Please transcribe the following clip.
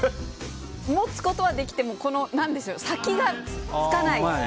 持つことはできても先がつかない。